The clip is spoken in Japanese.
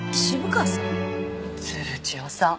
鶴千代さん